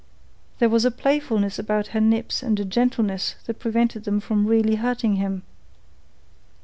There was a playfulness about her nips and a gentleness that prevented them from really hurting him.